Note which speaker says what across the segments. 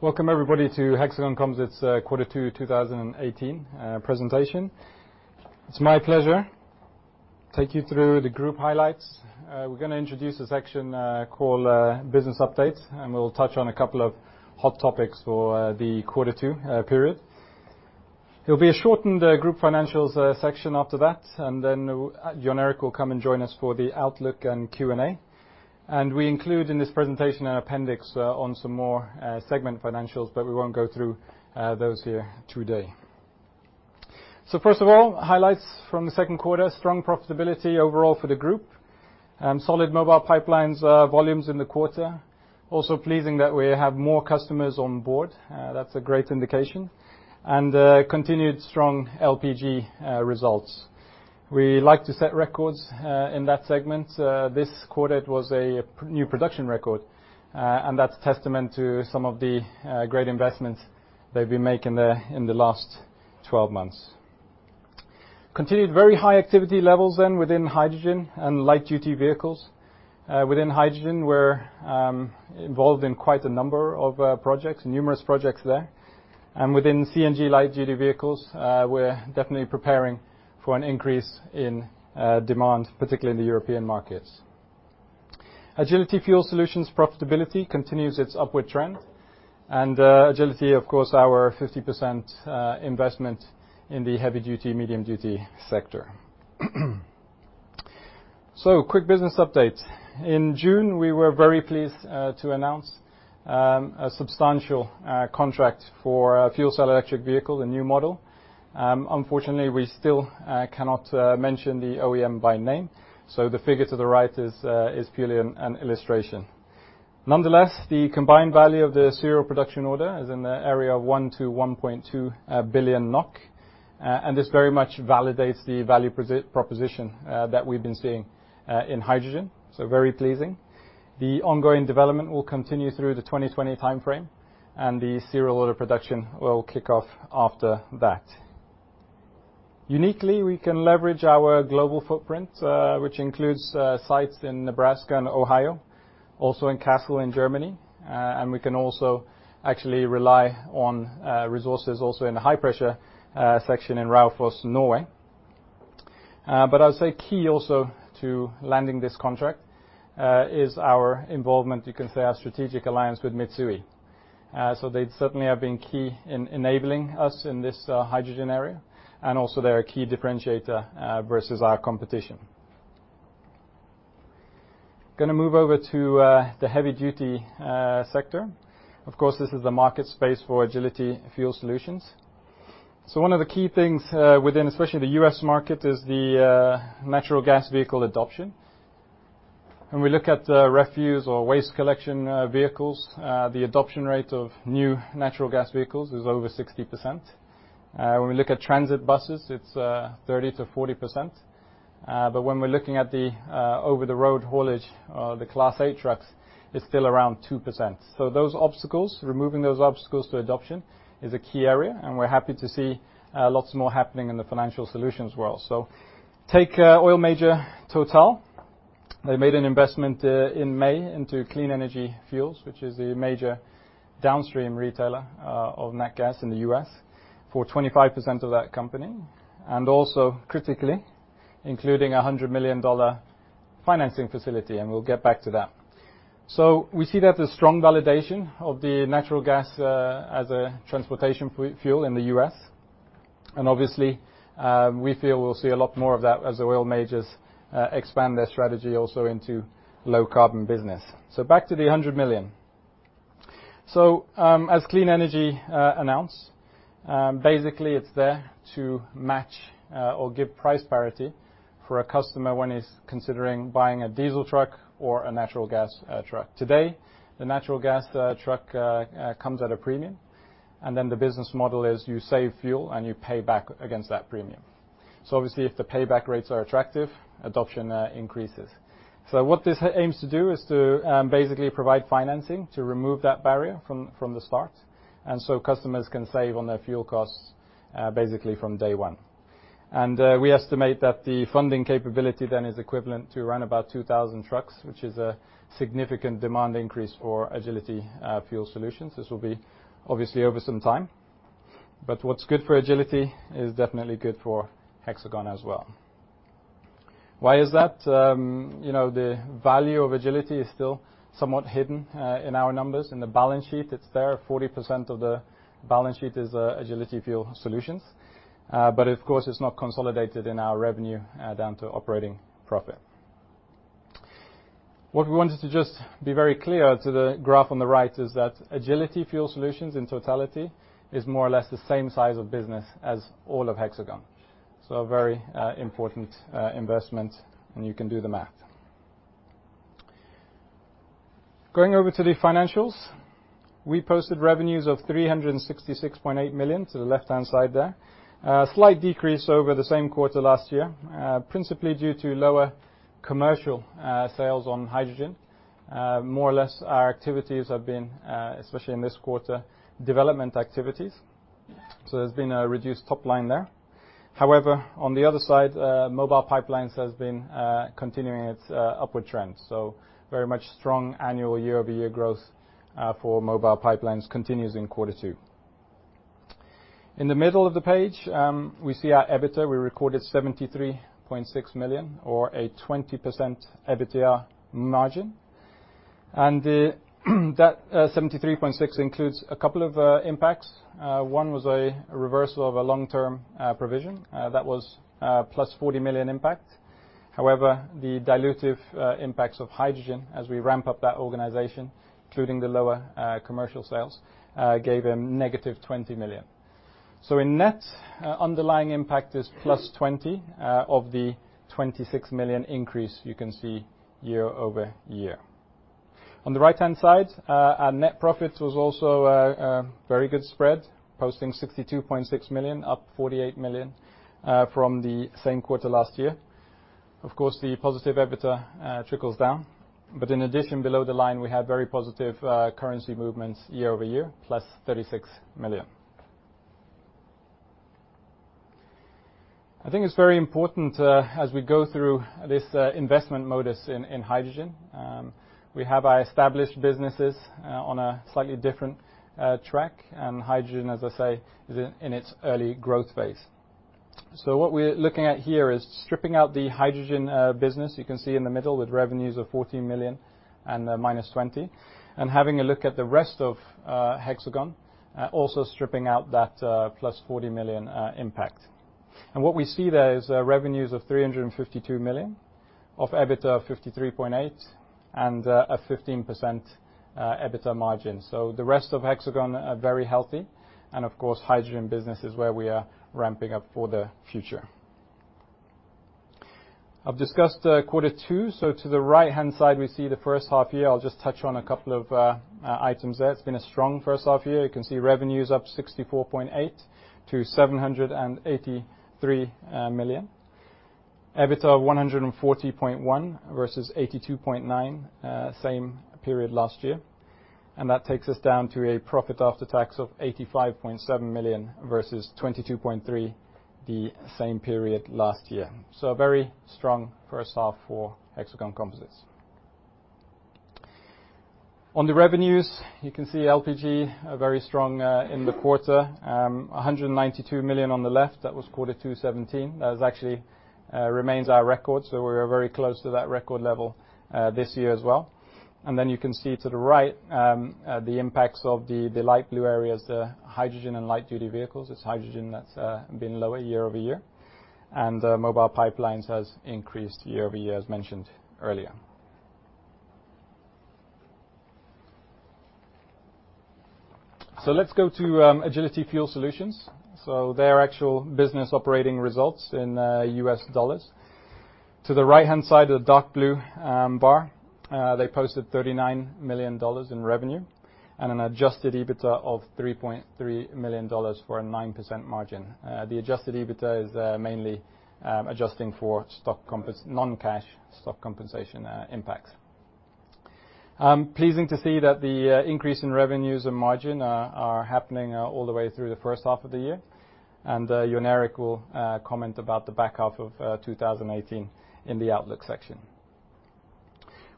Speaker 1: Welcome everybody to Hexagon Composites Q2 2018 presentation. It's my pleasure to take you through the group highlights. We're going to introduce a section called, business update, and we'll touch on a couple of hot topics for the Q2 period. There'll be a shortened group financials section after that. Jon Erik will come and join us for the outlook and Q&A. We include in this presentation an appendix on some more segment financials, but we won't go through those here today. First of all, highlights from the second quarter. Strong profitability overall for the group. Solid mobile pipelines volumes in the quarter. Also pleasing that we have more customers on board. That's a great indication. Continued strong LPG results. We like to set records in that segment. This quarter it was a new production record, and that's testament to some of the great investments they've been making there in the last 12 months. Continued very high activity levels within hydrogen and light-duty vehicles. Within hydrogen, we're involved in quite a number of projects, numerous projects there. Within CNG light-duty vehicles, we're definitely preparing for an increase in demand, particularly in the European markets. Agility Fuel Solutions profitability continues its upward trend. Agility, of course, our 50% investment in the heavy-duty, medium-duty sector. Quick business update. In June, we were very pleased to announce a substantial contract for a fuel cell electric vehicle, the new model. Unfortunately, we still cannot mention the OEM by name, so the figure to the right is purely an illustration. Nonetheless, the combined value of the serial production order is in the area of 1 billion to 1.2 billion NOK, and this very much validates the value proposition that we've been seeing in hydrogen. Very pleasing. The ongoing development will continue through the 2020 timeframe, and the serial order production will kick off after that. Uniquely, we can leverage our global footprint, which includes sites in Nebraska and Ohio, also in Kassel in Germany, and we can also actually rely on resources also in the high pressure section in Raufoss, Norway. I would say key also to landing this contract, is our involvement, you can say our strategic alliance with Mitsui. They certainly have been key in enabling us in this hydrogen area, and also they're a key differentiator versus our competition. Going to move over to the heavy-duty sector. Of course, this is the market space for Agility Fuel Solutions. One of the key things within especially the U.S. market is the natural gas vehicle adoption. When we look at refuse or waste collection vehicles, the adoption rate of new natural gas vehicles is over 60%. When we look at transit buses, it's 30%-40%. When we're looking at the over-the-road haulage, the Class A trucks, it's still around 2%. Those obstacles, removing those obstacles to adoption is a key area, and we're happy to see lots more happening in the financial solutions world. Take oil major Total, they made an investment in May into Clean Energy Fuels, which is the major downstream retailer of nat gas in the U.S. for 25% of that company, and also critically including a $100 million financing facility, and we'll get back to that. We see that as strong validation of the natural gas as a transportation fuel in the U.S. Obviously, we feel we will see a lot more of that as oil majors expand their strategy also into low carbon business. Back to the $100 million. As Clean Energy announced, basically it is there to match or give price parity for a customer when he is considering buying a diesel truck or a natural gas truck. Today, the natural gas truck comes at a premium, and then the business model is you save fuel and you pay back against that premium. Obviously if the payback rates are attractive, adoption increases. What this aims to do is to basically provide financing to remove that barrier from the start, and customers can save on their fuel costs basically from day one. We estimate that the funding capability then is equivalent to around about 2,000 trucks, which is a significant demand increase for Agility Fuel Solutions. This will be obviously over some time. What is good for Agility is definitely good for Hexagon as well. Why is that? The value of Agility is still somewhat hidden in our numbers in the balance sheet. It is there, 40% of the balance sheet is Agility Fuel Solutions. Of course, it is not consolidated in our revenue down to operating profit. What we wanted to just be very clear to the graph on the right is that Agility Fuel Solutions in totality is more or less the same size of business as all of Hexagon. A very important investment, and you can do the math. Going over to the financials. We posted revenues of 366.8 million to the left-hand side there. A slight decrease over the same quarter last year, principally due to lower commercial sales on hydrogen. More or less our activities have been, especially in this quarter, development activities. There has been a reduced top line there. However, on the other side, mobile pipelines has been continuing its upward trend. Very much strong annual year-over-year growth for mobile pipelines continues in quarter two. In the middle of the page, we see our EBITDA. We recorded 73.6 million or a 20% EBITDA margin. That 73.6 includes a couple of impacts. One was a reversal of a long-term provision that was a plus 40 million impact. However, the dilutive impacts of hydrogen as we ramp up that organization, including the lower commercial sales, gave a negative 20 million. In net, underlying impact is plus 20 of the 26 million increase you can see year-over-year. On the right-hand side, our net profit was also a very good spread, posting 62.6 million, up 48 million from the same quarter last year. Of course, the positive EBITDA trickles down. In addition, below the line, we had very positive currency movements year-over-year, plus NOK 36 million. I think it is very important as we go through this investment modus in hydrogen. We have our established businesses on a slightly different track, and hydrogen, as I say, is in its early growth phase. What we are looking at here is stripping out the hydrogen business, you can see in the middle with revenues of 14 million and a minus 20, and having a look at the rest of Hexagon, also stripping out that plus 40 million impact. What we see there is revenues of 352 million, of EBITDA 53.8 and a 15% EBITDA margin. The rest of Hexagon are very healthy. Of course, hydrogen business is where we are ramping up for the future. I've discussed quarter 2. To the right-hand side, we see the first half year. I'll just touch on a couple of items there. It's been a strong first half year. You can see revenue is up 64.8% to 783 million. EBITDA 140.1 million versus 82.9 million, same period last year. That takes us down to a profit after tax of 85.7 million versus 22.3 million the same period last year. A very strong first half for Hexagon Composites. On the revenues, you can see LPG is very strong in the quarter. 192 million on the left, that was Q2 2017. That actually remains our record. We're very close to that record level this year as well. You can see to the right, the impacts of the light blue areas, the hydrogen and light duty vehicles. It's hydrogen that's been lower year-over-year. Mobile pipelines has increased year-over-year, as mentioned earlier. Let's go to Agility Fuel Solutions. Their actual business operating results in US dollars. To the right-hand side, the dark blue bar, they posted $39 million in revenue and an adjusted EBITDA of $3.3 million for a 9% margin. The adjusted EBITDA is mainly adjusting for non-cash stock compensation impacts. Pleasing to see that the increase in revenues and margin is happening all the way through the first half of the year. Jon Erik will comment about the back half of 2018 in the outlook section.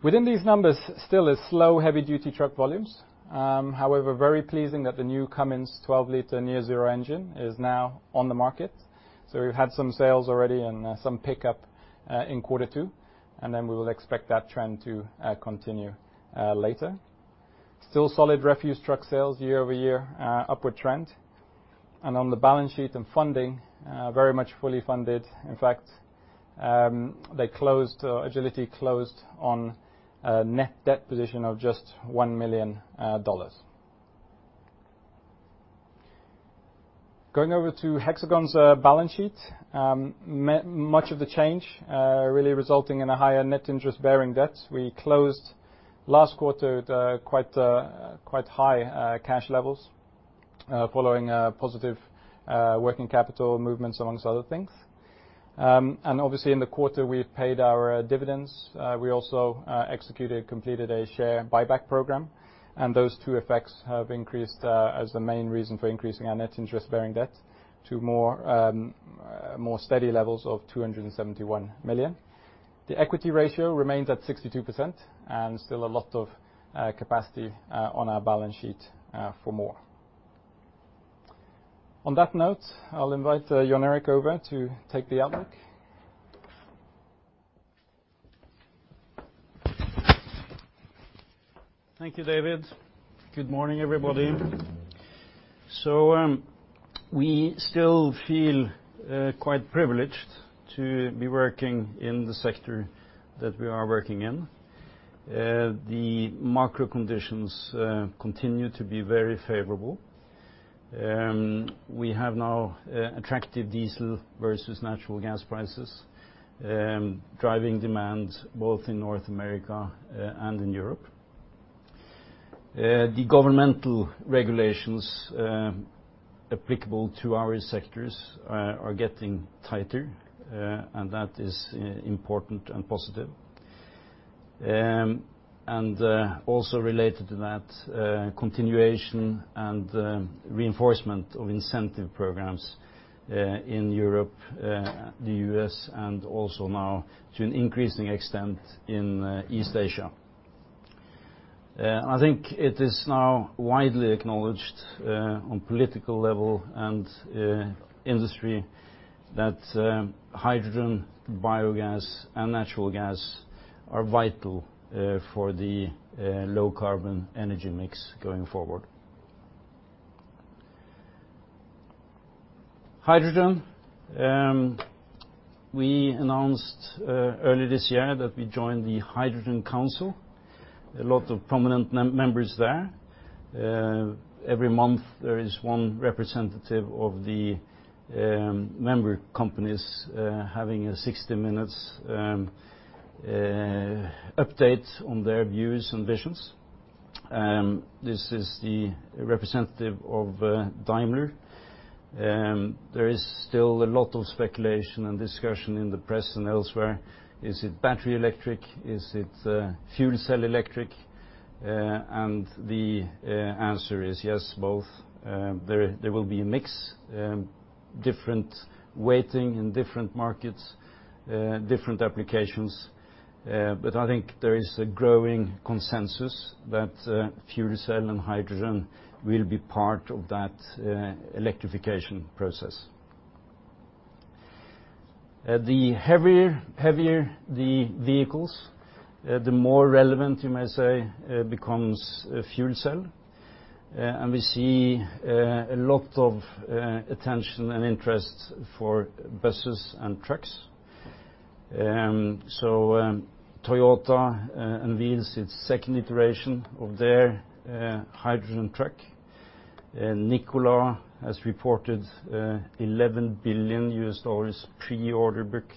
Speaker 1: Within these numbers still is slow heavy-duty truck volumes. However, very pleasing that the new Cummins 12-liter near zero engine is now on the market. We've had some sales already and some pickup in quarter 2. Then we will expect that trend to continue later. Still solid refuse truck sales year-over-year, upward trend. On the balance sheet and funding, very much fully funded. In fact, Agility closed on a net debt position of just $1 million. Going over to Hexagon's balance sheet. Much of the change really resulting in a higher net interest-bearing debt. We closed last quarter at quite high cash levels following positive working capital movements, among other things. Obviously, in the quarter, we've paid our dividends. We also executed, completed a share buyback program. Those two effects have increased as the main reason for increasing our net interest-bearing debt to more steady levels of 271 million. The equity ratio remains at 62%. Still a lot of capacity on our balance sheet for more. On that note, I'll invite Jon Erik over to take the outlook.
Speaker 2: Thank you, David. Good morning, everybody. We still feel quite privileged to be working in the sector that we are working in. The macro conditions continue to be very favorable. We have now attractive diesel versus natural gas prices, driving demand both in North America and in Europe. The governmental regulations applicable to our sectors are getting tighter, that is important and positive. Also related to that, continuation and reinforcement of incentive programs in Europe, the U.S., and also now to an increasing extent in East Asia. I think it is now widely acknowledged on political level and industry that hydrogen, biogas, and natural gas are vital for the low-carbon energy mix going forward. Hydrogen. We announced earlier this year that we joined the Hydrogen Council. A lot of prominent members there. Every month, there is one representative of the member companies having a 60-minute update on their views and visions. This is the representative of Daimler. There is still a lot of speculation and discussion in the press and elsewhere. Is it battery electric? Is it fuel cell electric? The answer is yes, both. There will be a mix, different weighting in different markets, different applications. I think there is a growing consensus that fuel cell and hydrogen will be part of that electrification process. The heavier the vehicles, the more relevant you may say becomes a fuel cell. We see a lot of attention and interest for buses and trucks. Toyota unveils its second iteration of their hydrogen truck. Nikola has reported NOK 11 billion pre-order book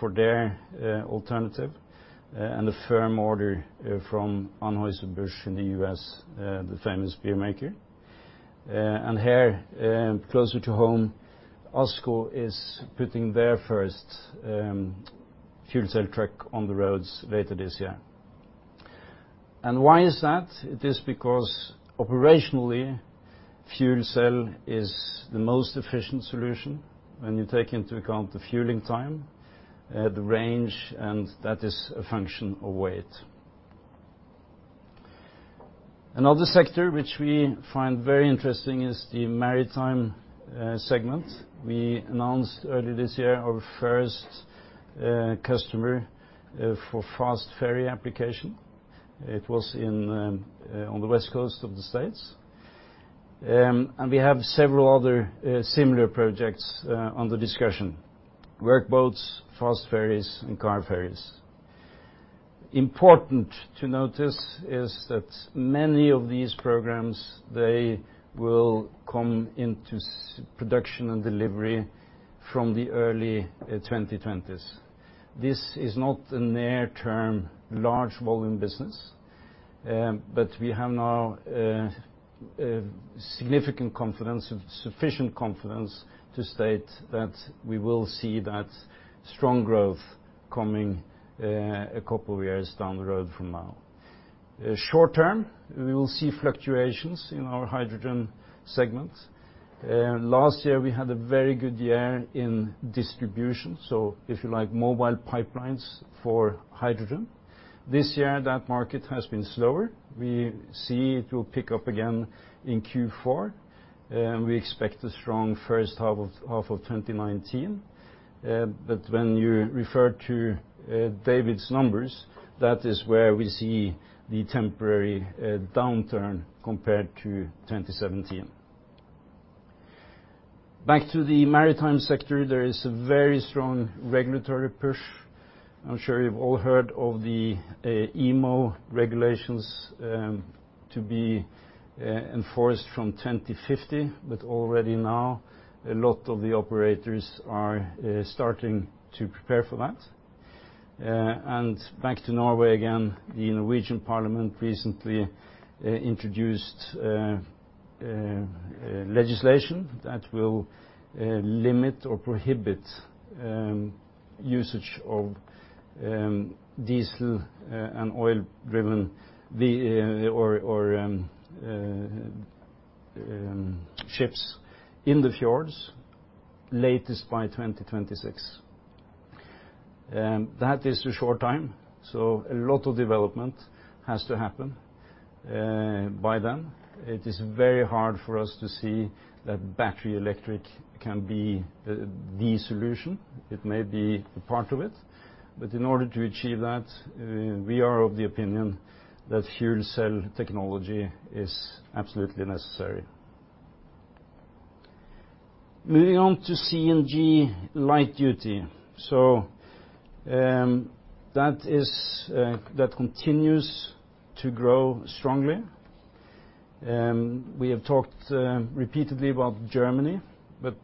Speaker 2: for their alternative, and a firm order from Anheuser-Busch in the U.S., the famous beer maker. Here, closer to home, ASKO is putting their first fuel cell truck on the roads later this year. Why is that? It is because operationally, fuel cell is the most efficient solution when you take into account the fueling time, the range, and that is a function of weight. Another sector which we find very interesting is the maritime segment. We announced earlier this year our first customer for fast ferry application. It was on the West Coast of the U.S. We have several other similar projects under discussion: work boats, fast ferries, and car ferries. Important to notice is that many of these programs, they will come into production and delivery from the early 2020s. This is not a near-term, large-volume business, but we have now significant confidence and sufficient confidence to state that we will see that strong growth coming a couple of years down the road from now. Short-term, we will see fluctuations in our hydrogen segment. Last year, we had a very good year in distribution, so if you like mobile pipelines for hydrogen. This year, that market has been slower. We see it will pick up again in Q4, we expect a strong first half of 2019. When you refer to David's numbers, that is where we see the temporary downturn compared to 2017. Back to the maritime sector, there is a very strong regulatory push. I'm sure you've all heard of the IMO regulations to be enforced from 2050, but already now, a lot of the operators are starting to prepare for that. Back to Norway again, the Norwegian parliament recently introduced legislation that will limit or prohibit usage of diesel and oil-driven ships in the fjords, latest by 2026. That is a short time. A lot of development has to happen by then. It is very hard for us to see that battery electric can be the solution. It may be a part of it. In order to achieve that, we are of the opinion that fuel cell technology is absolutely necessary. Moving on to CNG light duty. That continues to grow strongly. We have talked repeatedly about Germany.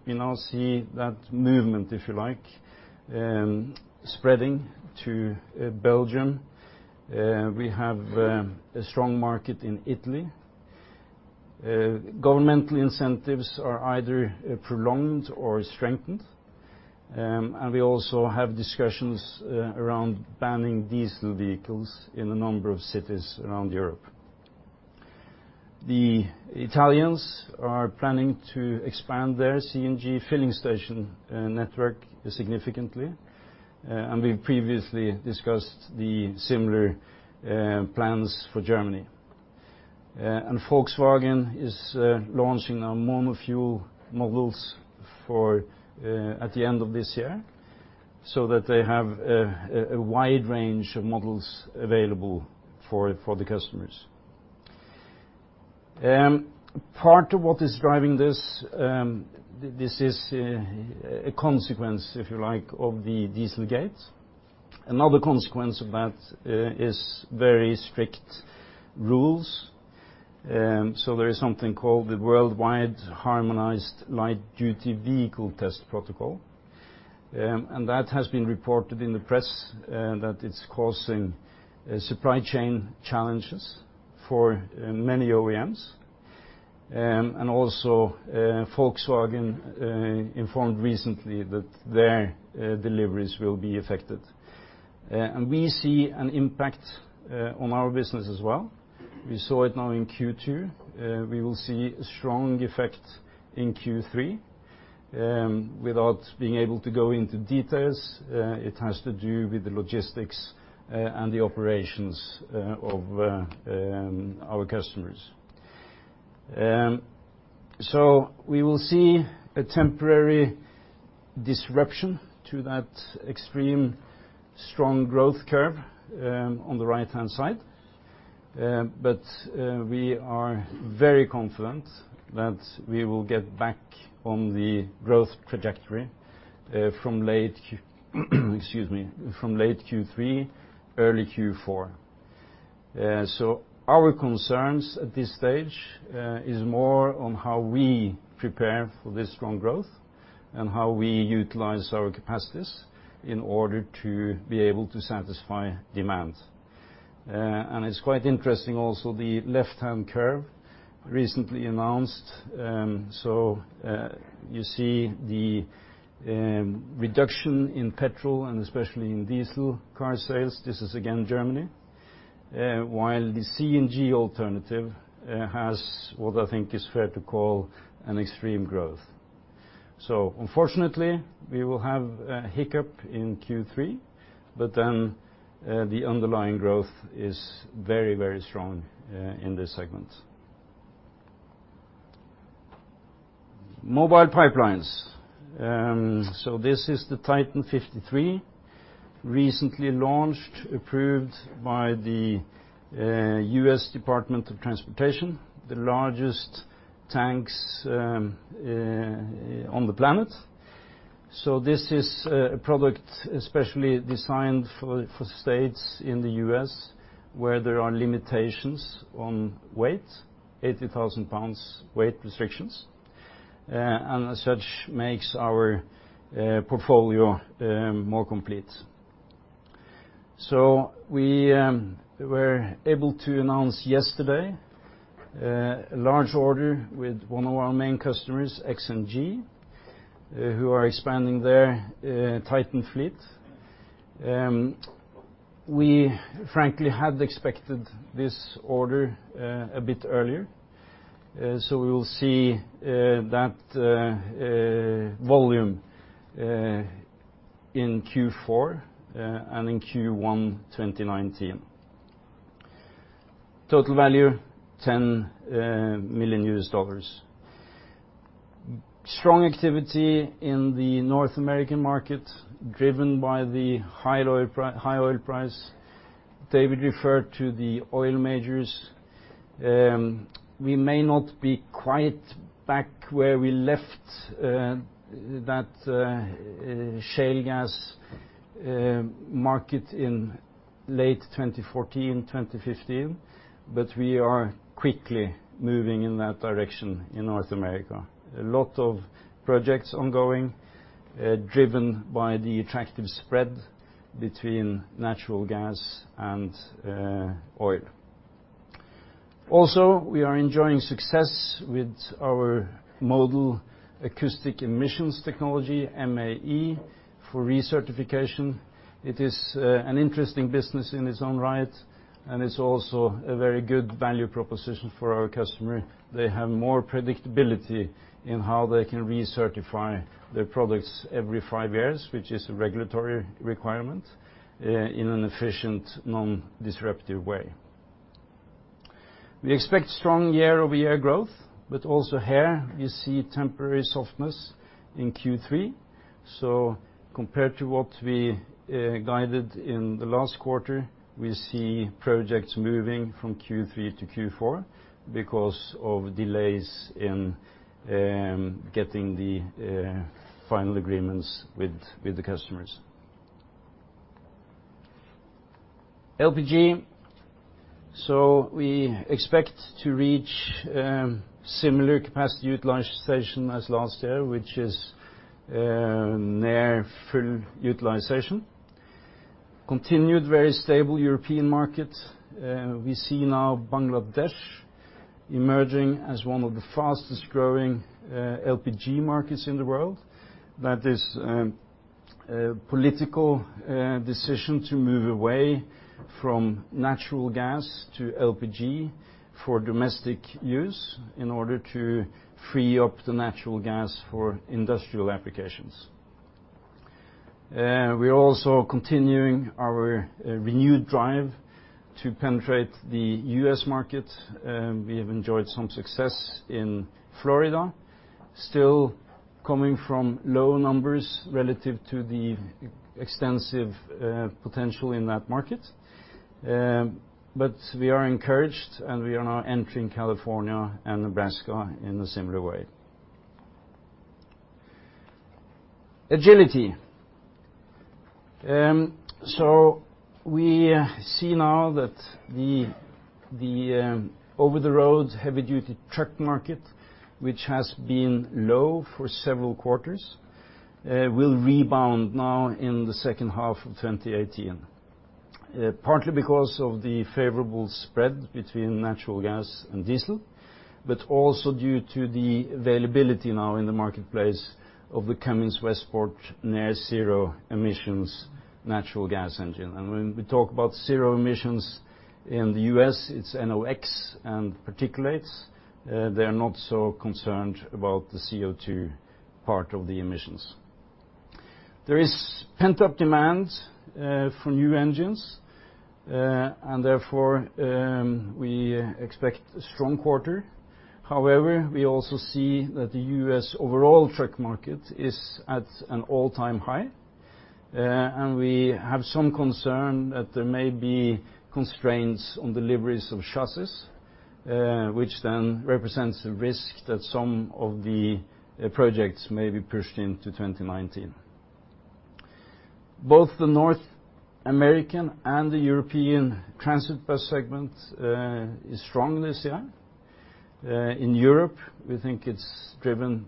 Speaker 2: We now see that movement, if you like, spreading to Belgium. We have a strong market in Italy. Governmental incentives are either prolonged or strengthened. We also have discussions around banning diesel vehicles in a number of cities around Europe. The Italians are planning to expand their CNG filling station network significantly. We previously discussed the similar plans for Germany. Volkswagen is launching a mono fuel models at the end of this year, so that they have a wide range of models available for the customers. Part of what is driving this is a consequence, if you like, of the Dieselgate. Another consequence of that is very strict rules. There is something called the Worldwide Harmonized Light-Duty Vehicles Test Procedure, and that has been reported in the press that it's causing supply chain challenges for many OEMs. Also Volkswagen informed recently that their deliveries will be affected. We see an impact on our business as well. We saw it now in Q2. We will see a strong effect in Q3. Without being able to go into details, it has to do with the logistics and the operations of our customers. We will see a temporary disruption to that extreme strong growth curve on the right-hand side. We are very confident that we will get back on the growth trajectory from late, excuse me, from late Q3, early Q4. Our concerns at this stage is more on how we prepare for this strong growth and how we utilize our capacities in order to be able to satisfy demand. It's quite interesting also, the left-hand curve recently announced. You see the reduction in petrol and especially in diesel car sales, this is again Germany. While the CNG alternative has what I think is fair to call an extreme growth. Unfortunately, we will have a hiccup in Q3, but then the underlying growth is very, very strong in this segment. Mobile pipelines. This is the TITAN 53 recently launched, approved by the U.S. Department of Transportation, the largest tanks on the planet. This is a product especially designed for states in the U.S. where there are limitations on weight, 80,000 pounds weight restrictions. As such, makes our portfolio more complete. We were able to announce yesterday a large order with one of our main customers, XNG, who are expanding their TITAN fleet. We frankly had expected this order a bit earlier. We will see that volume in Q4 and in Q1 2019. Total value, $10 million. Strong activity in the North American market driven by the high oil price. David referred to the oil majors. We may not be quite back where we left that shale gas market in late 2014, 2015, but we are quickly moving in that direction in North America. A lot of projects ongoing, driven by the attractive spread between natural gas and oil. Also, we are enjoying success with our Modal Acoustic Emissions technology, MAE, for recertification. It is an interesting business in its own right, and it's also a very good value proposition for our customer. They have more predictability in how they can recertify their products every five years, which is a regulatory requirement, in an efficient, non-disruptive way. We expect strong year-over-year growth, but also here we see temporary softness in Q3. Compared to what we guided in the last quarter, we see projects moving from Q3 to Q4 because of delays in getting the final agreements with the customers. LPG. We expect to reach similar capacity utilization as last year, which is near full utilization. Continued very stable European market. We see now Bangladesh emerging as one of the fastest-growing LPG markets in the world. That is a political decision to move away from natural gas to LPG for domestic use in order to free up the natural gas for industrial applications. We are also continuing our renewed drive to penetrate the U.S. market. We have enjoyed some success in Florida. Still coming from low numbers relative to the extensive potential in that market. We are encouraged, and we are now entering California and Nebraska in a similar way. Agility. We see now that the over-the-road heavy-duty truck market, which has been low for several quarters, will rebound now in the second half of 2018. Partly because of the favorable spread between natural gas and diesel, but also due to the availability now in the marketplace of the Cummins Westport near zero emissions natural gas engine. When we talk about zero emissions in the U.S., it's NOx and particulates. They're not so concerned about the CO2 part of the emissions. There is pent-up demand for new engines, therefore, we expect a strong quarter. However, we also see that the U.S. overall truck market is at an all-time high. We have some concern that there may be constraints on deliveries of chassis, which then represents a risk that some of the projects may be pushed into 2019. Both the North American and the European transit bus segment is strong this year. In Europe, we think it's driven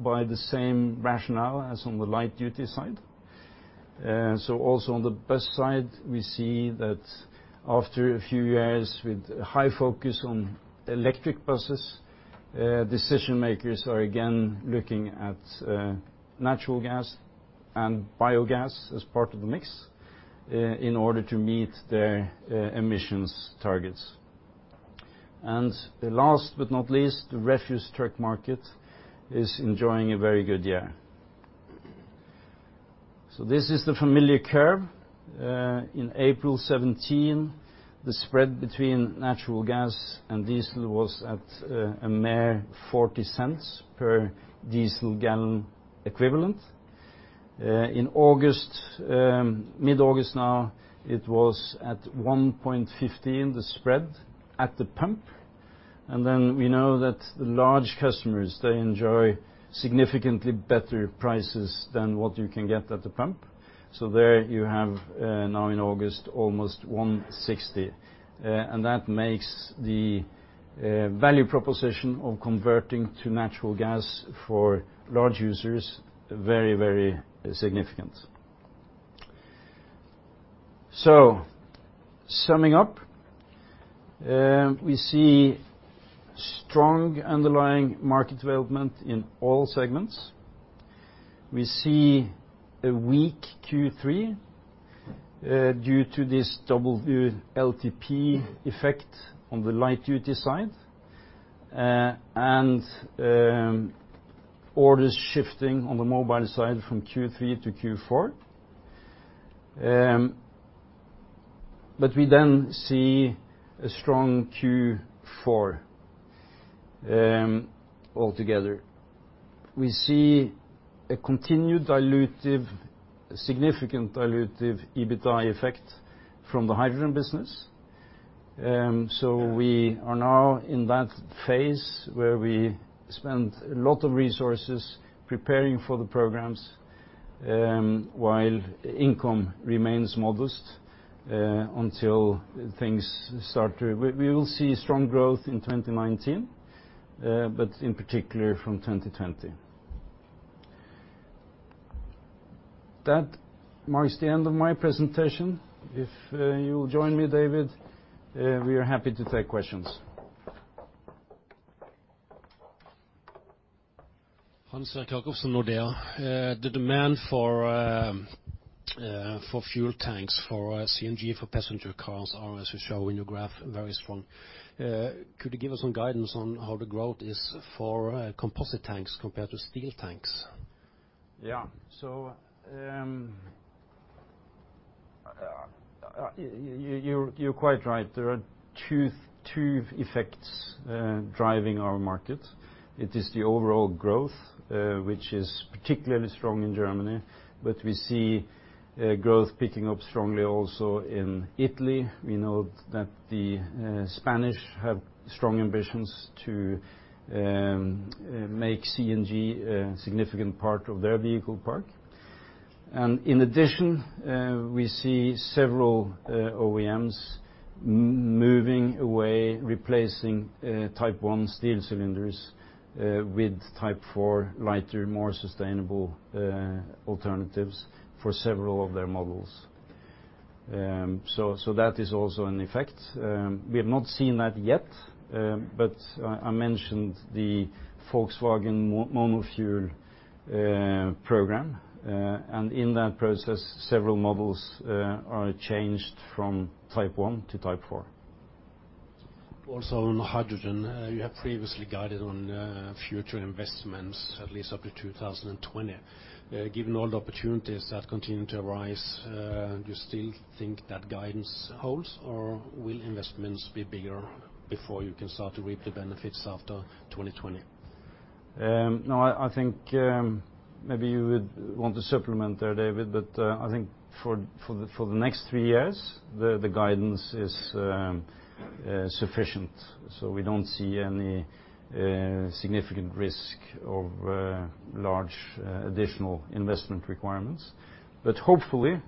Speaker 2: by the same rationale as on the light-duty side. Also on the bus side, we see that after a few years with high focus on electric buses, decision-makers are again looking at natural gas and biogas as part of the mix in order to meet their emissions targets. The last but not least, the refuse truck market is enjoying a very good year. This is the familiar curve. In April 2017, the spread between natural gas and diesel was at a mere 0.40 per diesel gallon equivalent. In mid-August now, it was at 1.50, the spread at the pump. Then we know that the large customers, they enjoy significantly better prices than what you can get at the pump. There you have, now in August, almost 1.60. That makes the value proposition of converting to natural gas for large users very significant. Summing up, we see strong underlying market development in all segments. We see a weak Q3 due to this WLTP effect on the light-duty side, and orders shifting on the mobile side from Q3 to Q4. We then see a strong Q4 altogether. We see a continued significant dilutive EBITDA effect from the hydrogen business. We are now in that phase where we spend a lot of resources preparing for the programs, while income remains modest until things start to. We will see strong growth in 2019, but in particular from 2020. That marks the end of my presentation. If you will join me, David, we are happy to take questions.
Speaker 3: Hans-Erik Jacobsen, Nordea. The demand for fuel tanks for CNG, for passenger cars are, as you show in your graph, very strong. Could you give us some guidance on how the growth is for composite tanks compared to steel tanks?
Speaker 2: You're quite right. There are two effects driving our market. It is the overall growth, which is particularly strong in Germany. We see growth picking up strongly also in Italy. We know that the Spanish have strong ambitions to make CNG a significant part of their vehicle park. In addition, we see several OEMs moving away, replacing Type 1 steel cylinders with Type 4, lighter, more sustainable alternatives for several of their models. That is also an effect. We have not seen that yet, but I mentioned the Volkswagen mono fuel program. In that process, several models are changed from Type 1 to Type 4.
Speaker 3: On hydrogen, you have previously guided on future investments at least up to 2020. Given all the opportunities that continue to arise, do you still think that guidance holds, or will investments be bigger before you can start to reap the benefits after 2020?
Speaker 2: No. Maybe you would want to supplement there, David, but I think for the next three years, the guidance is sufficient. We don't see any significant risk of large additional investment requirements. Hopefully,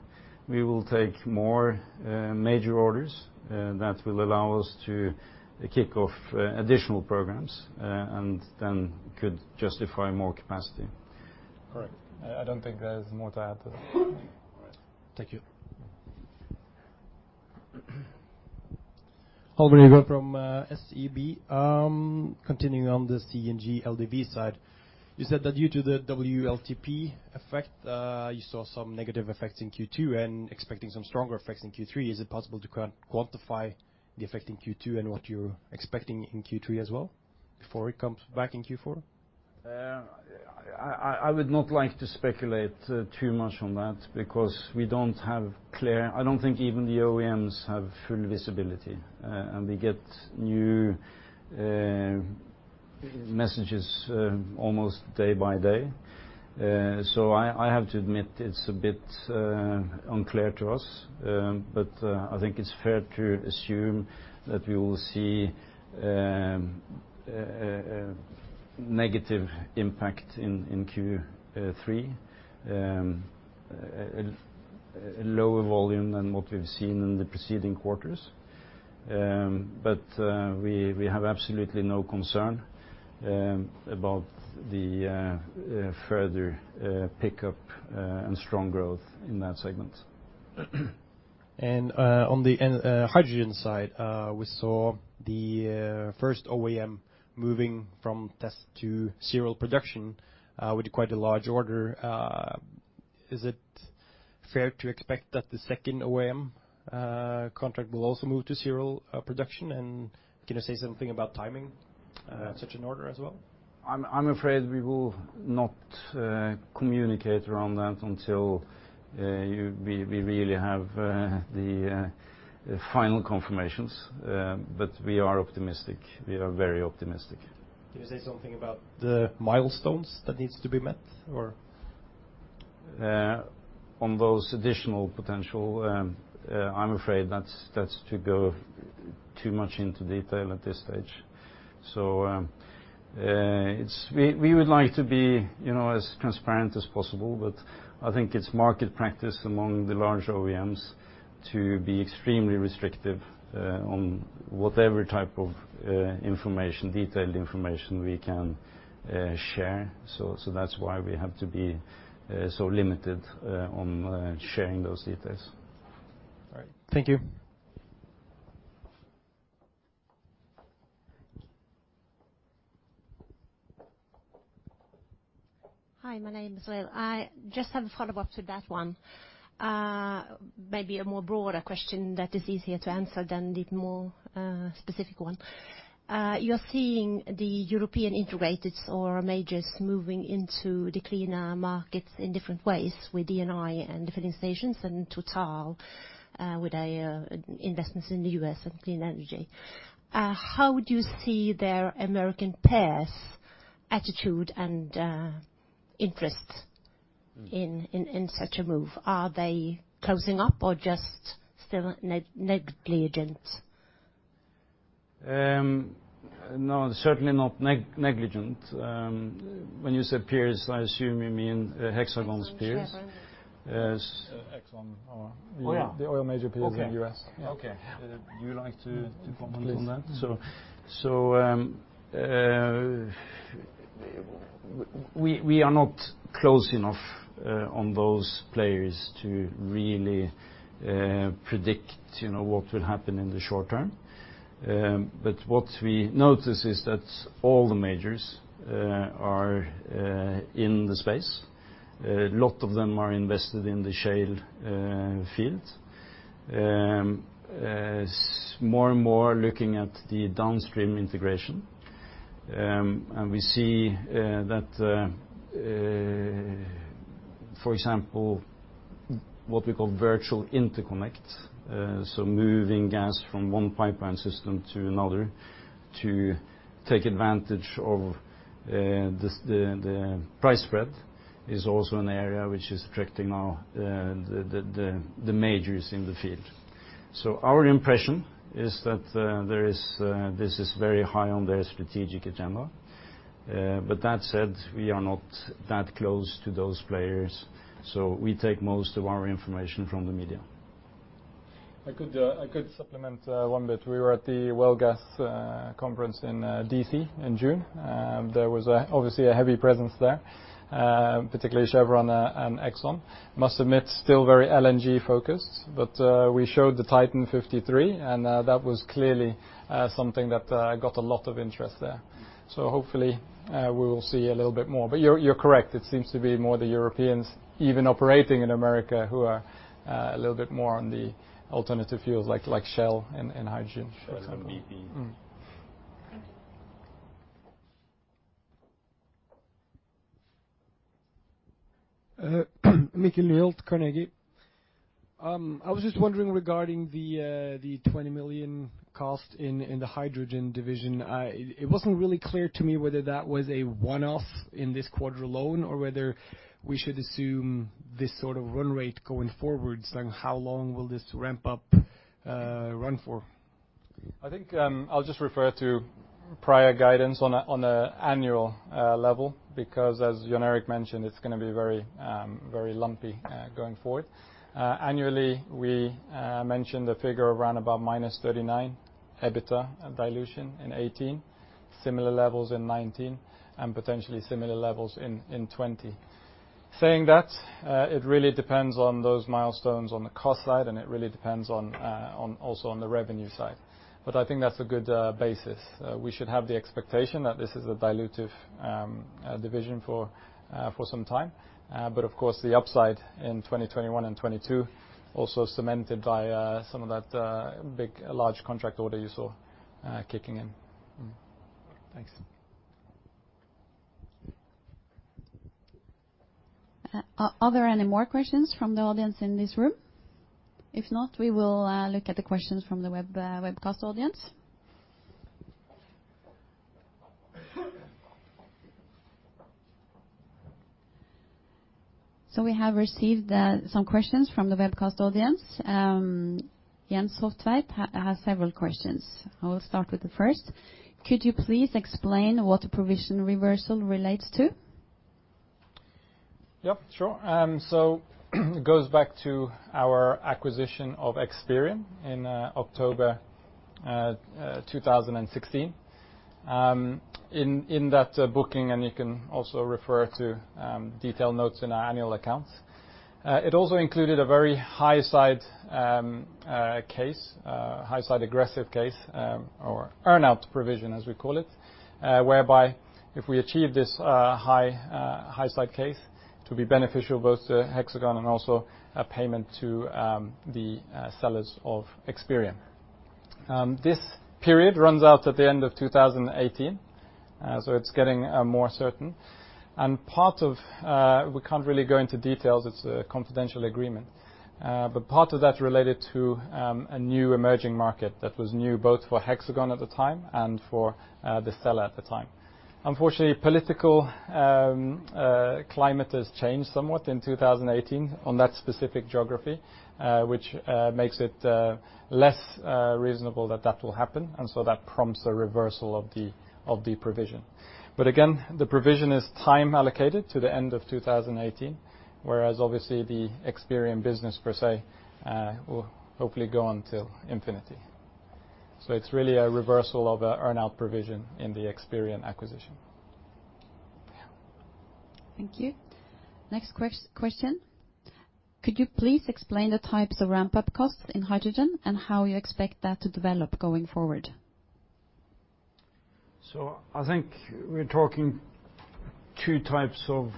Speaker 2: we will take more major orders that will allow us to kick off additional programs, and then could justify more capacity.
Speaker 1: Correct. I don't think there is more to add to that.
Speaker 3: All right. Thank you.
Speaker 4: Hallvard Eie from SEB. Continuing on the CNG LDV side. You said that due to the WLTP effect, you saw some negative effects in Q2 and expecting some stronger effects in Q3. Is it possible to quantify the effect in Q2 and what you're expecting in Q3 as well, before it comes back in Q4?
Speaker 2: I would not like to speculate too much on that because we don't have clear I don't think even the OEMs have full visibility, and we get new messages almost day by day. I have to admit it's a bit unclear to us. I think it's fair to assume that we will see a negative impact in Q3, a lower volume than what we've seen in the preceding quarters. We have absolutely no concern about the further pickup and strong growth in that segment.
Speaker 4: On the hydrogen side, we saw the first OEM moving from test to serial production with quite a large order. Is it fair to expect that the second OEM contract will also move to serial production? Can you say something about timing such an order as well?
Speaker 2: I'm afraid we will not communicate around that until we really have the final confirmations. We are optimistic. We are very optimistic.
Speaker 4: Can you say something about the milestones that needs to be met or?
Speaker 2: On those additional potential, I am afraid that is to go too much into detail at this stage. We would like to be as transparent as possible, but I think it is market practice among the large OEMs to be extremely restrictive on whatever type of detailed information we can share. That is why we have to be so limited on sharing those details.
Speaker 4: All right. Thank you.
Speaker 5: Hi, my name is Lil. I just have a follow-up to that one. Maybe a more broader question that is easier to answer than the more specific one. You are seeing the European integrators or majors moving into the cleaner markets in different ways with Eni and different stations and Total with their investments in the U.S. and clean energy. How do you see their American peers attitude and interests in such a move? Are they closing up or just still negligent?
Speaker 2: No, certainly not negligent. When you say peers, I assume you mean Hexagon's peers as.
Speaker 1: Hexagon
Speaker 2: Oh, yeah
Speaker 1: the oil major peers in the U.S.
Speaker 2: Okay. Would you like to comment on that?
Speaker 1: Please.
Speaker 2: We are not close enough on those players to really predict what will happen in the short term. What we notice is that all the majors are in the space. A lot of them are invested in the shale field. More and more looking at the downstream integration. We see that, for example, what we call virtual pipeline, so moving gas from one pipeline system to another to take advantage of the price spread is also an area which is attracting now the majors in the field. Our impression is that this is very high on their strategic agenda. That said, we are not that close to those players, so we take most of our information from the media.
Speaker 1: I could supplement one bit. We were at the World Gas Conference in D.C. in June. There was obviously a heavy presence there, particularly Chevron and Exxon. Must admit, still very LNG focused, but we showed the TITAN 53 and that was clearly something that got a lot of interest there. Hopefully we will see a little bit more. You're correct, it seems to be more the Europeans even operating in America who are a little bit more on the alternative fuels like Shell and hydrogen.
Speaker 2: As well as BP.
Speaker 6: Thank you.
Speaker 7: Mikkel Nyholt, Carnegie. I was just wondering regarding the 20 million cost in the hydrogen division. It wasn't really clear to me whether that was a one-off in this quarter alone, or whether we should assume this sort of run rate going forward. How long will this ramp-up run for?
Speaker 1: I think I'll just refer to prior guidance on the annual level, because as Jon Erik mentioned, it's going to be very lumpy going forward. Annually, we mentioned a figure around about -39 EBITDA dilution in 2018, similar levels in 2019, and potentially similar levels in 2020. Saying that, it really depends on those milestones on the cost side, and it really depends also on the revenue side. I think that's a good basis. We should have the expectation that this is a dilutive division for some time. Of course, the upside in 2021 and 2022 also cemented by some of that large contract order you saw kicking in.
Speaker 7: Thanks.
Speaker 6: Are there any more questions from the audience in this room? If not, we will look at the questions from the webcast audience. We have received some questions from the webcast audience. Jens Hofteig has several questions. I will start with the first. Could you please explain what a provision reversal relates to?
Speaker 1: Yeah, sure. It goes back to our acquisition of xperion in October 2016. In that booking, you can also refer to detailed notes in our annual accounts. It also included a very high-side case, high-side aggressive case, or earn-out provision, as we call it, whereby if we achieve this high-side case to be beneficial both to Hexagon and also a payment to the sellers of xperion. This period runs out at the end of 2018, it's getting more certain. We can't really go into details, it's a confidential agreement. Part of that related to a new emerging market that was new both for Hexagon at the time and for the seller at the time. Unfortunately, political climate has changed somewhat in 2018 on that specific geography, which makes it less reasonable that that will happen. That prompts a reversal of the provision. Again, the provision is time allocated to the end of 2018, whereas obviously the xperion business per se will hopefully go on till infinity. It's really a reversal of an earn-out provision in the xperion acquisition.
Speaker 6: Thank you. Next question. Could you please explain the types of ramp-up costs in hydrogen and how you expect that to develop going forward?
Speaker 2: I think we're talking 2 types of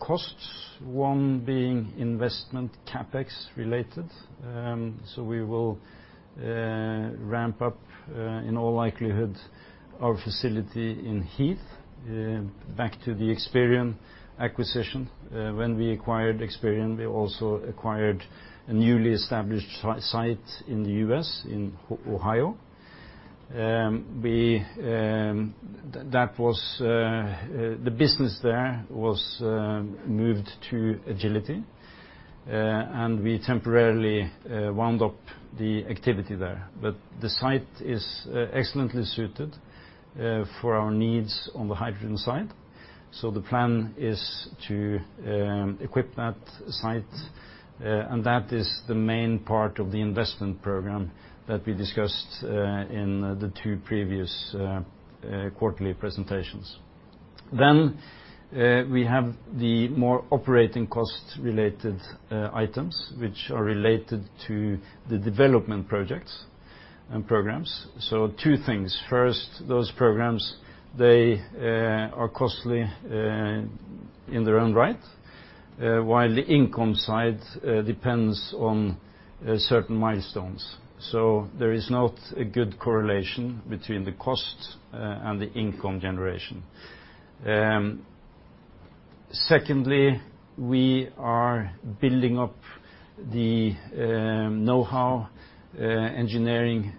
Speaker 2: costs, one being investment CapEx related. We will ramp up, in all likelihood, our facility in Heath. Back to the xperion acquisition. When we acquired xperion, we also acquired a newly established site in the U.S. in Ohio. The business there was moved to Agility, and we temporarily wound up the activity there. The site is excellently suited for our needs on the hydrogen side. The plan is to equip that site, and that is the main part of the investment program that we discussed in the two previous quarterly presentations. Then we have the more operating cost related items, which are related to the development projects and programs. Two things. First, those programs, they are costly in their own right, while the income side depends on certain milestones. There is not a good correlation between the cost and the income generation. Secondly, we are building up the knowhow, engineering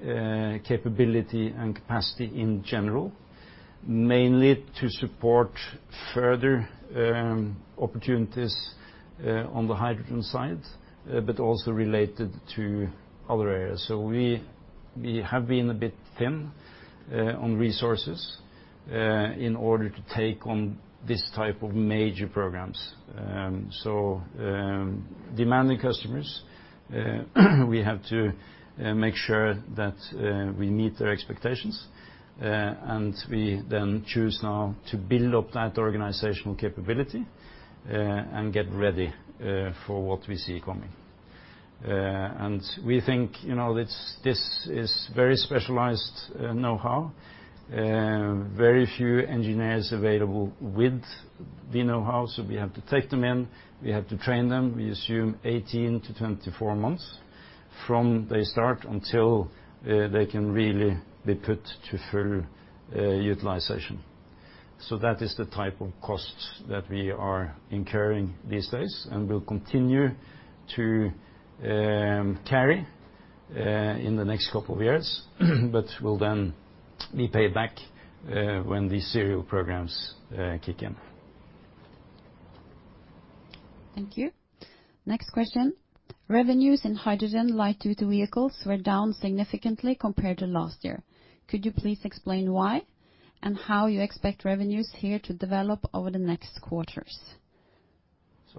Speaker 2: capability and capacity in general, mainly to support further opportunities on the hydrogen side, but also related to other areas. We have been a bit thin on resources in order to take on this type of major programs. Demanding customers, we have to make sure that we meet their expectations, and we then choose now to build up that organizational capability and get ready for what we see coming. We think this is very specialized knowhow, very few engineers available with the knowhow, we have to take them in. We have to train them. We assume 18 to 24 months from they start until they can really be put to full utilization. That is the type of costs that we are incurring these days and will continue to carry in the next couple of years, but will then be paid back when the serial programs kick in.
Speaker 6: Thank you. Next question. Revenues in hydrogen light-duty vehicles were down significantly compared to last year. Could you please explain why and how you expect revenues here to develop over the next quarters?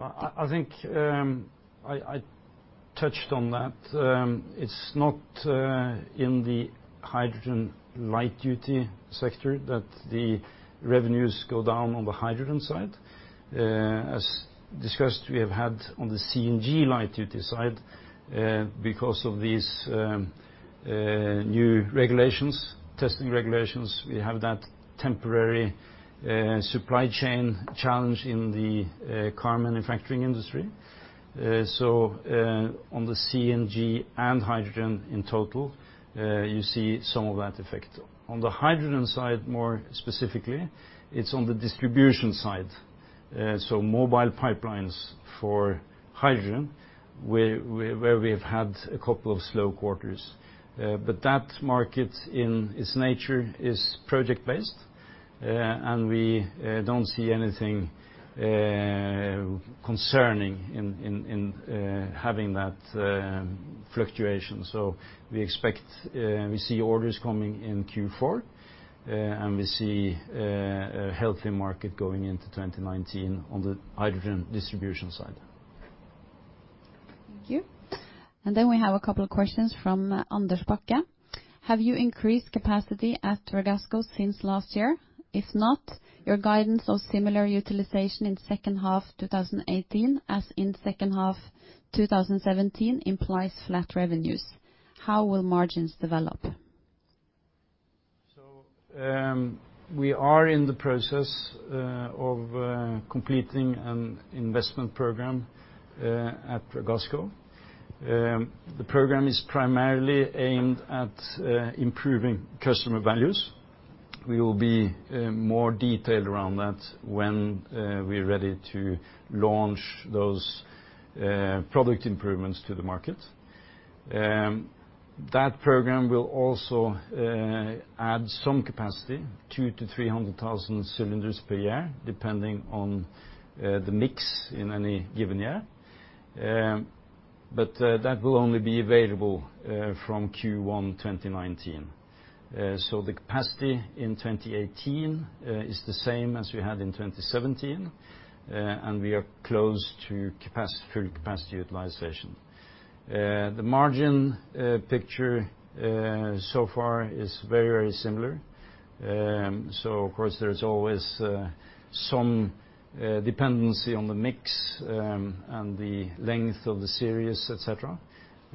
Speaker 2: I think I touched on that. It is not in the hydrogen light-duty sector that the revenues go down on the hydrogen side. As discussed, we have had on the CNG light-duty side because of these new regulations, testing regulations. We have that temporary supply chain challenge in the car manufacturing industry. On the CNG and hydrogen in total you see some of that effect. On the hydrogen side, more specifically, it is on the distribution side. Mobile pipelines for hydrogen where we have had a couple of slow quarters. That market in its nature is project based and we do not see anything concerning in having that fluctuation. We expect, we see orders coming in Q4, and we see a healthy market going into 2019 on the hydrogen distribution side.
Speaker 6: Thank you. Then we have a couple of questions from Anders Bakke. Have you increased capacity at Ragasco since last year? If not, your guidance of similar utilization in second half 2018 as in second half 2017 implies flat revenues. How will margins develop?
Speaker 2: We are in the process of completing an investment program at Ragasco. The program is primarily aimed at improving customer values. We will be more detailed around that when we are ready to launch those product improvements to the market. That program will also add some capacity, two to 300,000 cylinders per year, depending on the mix in any given year. That will only be available from Q1 2019. The capacity in 2018 is the same as we had in 2017. We are close to full capacity utilization. The margin picture so far is very similar. Of course, there's always some dependency on the mix and the length of the series, et cetera.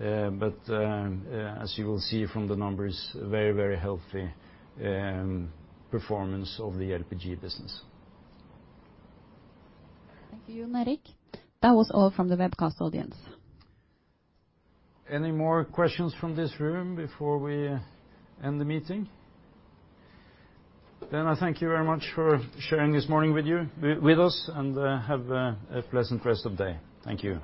Speaker 2: As you will see from the numbers, very healthy performance of the LPG business.
Speaker 6: Thank you, Jon Erik. That was all from the webcast audience.
Speaker 2: Any more questions from this room before we end the meeting? I thank you very much for sharing this morning with us and have a pleasant rest of the day. Thank you.